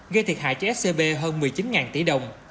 gây thiệt hại cho scb hơn một mươi chín tỷ đồng